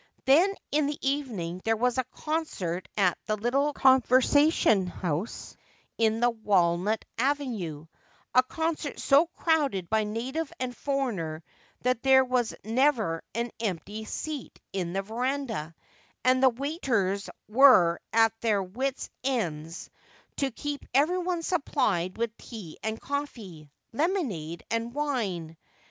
Then in the evening there was a concert at the little conversation house in the walnut avenue, a concert so crowded by native and foreigner that there was never an empty seat in the verandah, and the waiters were at their wits' ends to keep everyone supplied with tea and coffee, lemonade and wine.